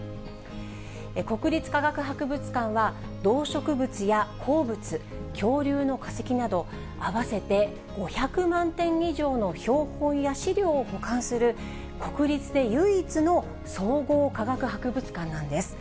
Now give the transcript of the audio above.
国立科学博物館は、動植物や鉱物、恐竜の化石など、合わせて５００万点以上の標本や資料を保管する、国立で唯一の総合科学博物館なんです。